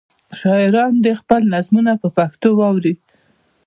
شاعران دې خپلې نظمونه په پښتو واوروي.